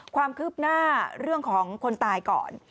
ความคืบหน้าเรื่องของคนตายก่อน